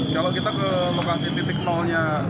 kalau kita ke lokasi titik nolnya